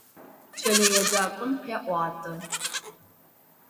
Кӏэлэеджакӏом къеӏуатэ.